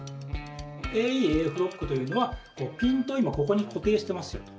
ＡＥ、ＡＦロックというのは、ピントを今ここに固定してますよと。